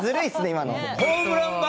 今の。